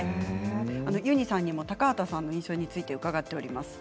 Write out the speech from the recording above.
ユニさんにも高畑さんの印象について伺っています。